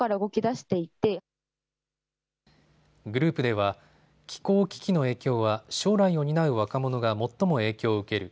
グループでは気候危機の影響は将来を担う若者が最も影響を受ける。